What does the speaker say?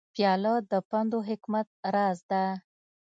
پیاله د پند و حکمت راز ده.